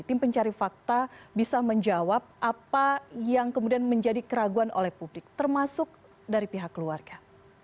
tim pencari fakta bisa menjawab apa yang kemudian menjadi keraguan oleh publik termasuk dari pihak keluarga